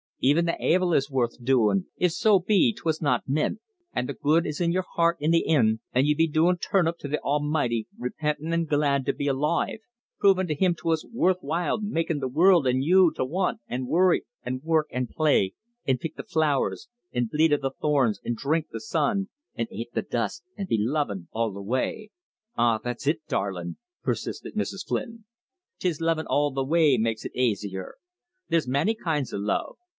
"Even the avil is worth doin', if so be 'twas not mint, an' the good is in yer heart in the ind, an' ye do be turnip' to the Almoighty, repentin' an' glad to be aloive: provin' to Him 'twas worth while makin' the world an' you, to want, an' worry, an' work, an' play, an' pick the flowers, an' bleed o' the thorns, an' dhrink the sun, an' ate the dust, an' be lovin' all the way! Ah, that's it, darlin'," persisted Mrs. Flynn, "'tis lovin' all the way makes it aisier. There's manny kinds o' love.